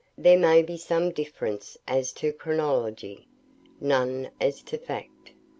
There may be some difference as to chronology, none as to fact.